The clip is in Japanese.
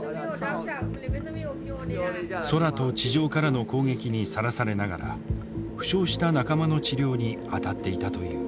空と地上からの攻撃にさらされながら負傷した仲間の治療に当たっていたという。